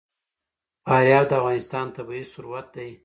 فاریاب د افغانستان طبعي ثروت دی.